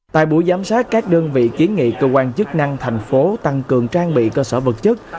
tại buổi giám sát các đơn vị kiến nghị cơ quan chức năng thành phố tăng cường trang bị cơ sở vật chất